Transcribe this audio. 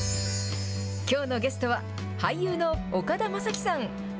きょうのゲストは俳優の岡田将生さん。